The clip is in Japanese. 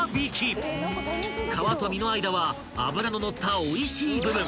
［皮と身の間は脂の乗ったおいしい部分］